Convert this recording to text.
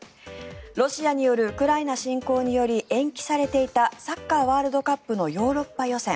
ロシアによるウクライナ侵攻により延期されていたサッカーワールドカップのヨーロッパ予選。